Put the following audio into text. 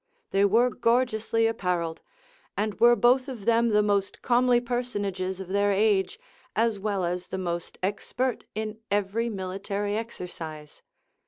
They were gorgeously apparelled; and were both of them the most comely personages of their age, as well as the most expert in every military exercise.